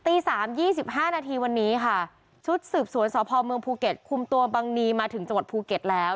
ตี๓๒๕นาทีวันนี้ค่ะชุดสืบสวนสพเมืองภูเก็ตคุมตัวบังนีมาถึงจังหวัดภูเก็ตแล้ว